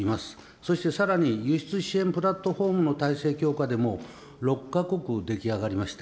そしてさらに輸出支援プラットフォームの体制強化でも、６か国出来上がりました。